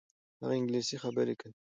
هغه انګلیسي خبرې کوي.